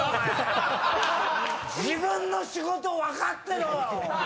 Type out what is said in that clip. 自分の仕事分かってろよ